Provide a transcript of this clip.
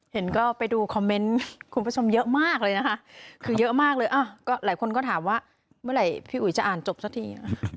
เห็นก็ไปดูคอมเมนต์คุณผู้ชมเยอะมากเลยนะคะคือเยอะมากเลยก็หลายคนก็ถามว่าเมื่อไหร่พี่อุ๋ยจะอ่านจบสักที